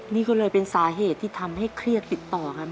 นี่ก็เลยเป็นสาเหตุที่ทำให้เครียดติดต่อกัน